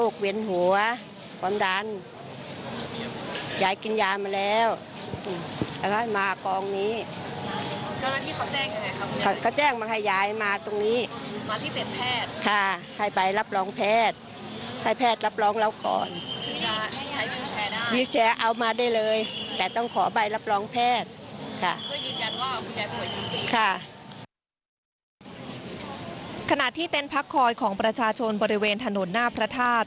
ขณะที่เต้นพักคอยของประชาชนบริเวณถนนหน้าพระธาตุ